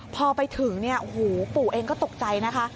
พอไปถึงปู่เองก็ตกใจนะคะ